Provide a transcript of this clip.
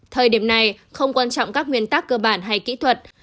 thời điểm này không quan trọng các nguyên tắc cơ bản hay kỹ thuật